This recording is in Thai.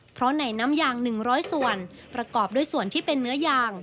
เพราะในน้ำยาง๑๐๐ส่วนประกอบด้วยส่วนที่เป็นเนื้อยาง